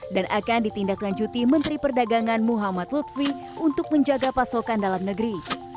dan akan ditindaklanjuti menteri perdagangan muhammad lutfi untuk menjaga pasokan dalam negeri